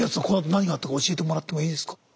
このあと何があったか教えてもらってもいいですか。